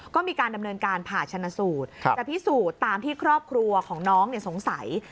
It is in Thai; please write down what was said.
ก็มีการดำเนินการผ่าชนะสูตรจะพิสูจน์ตามที่ครอบครัวของน้องสงสัย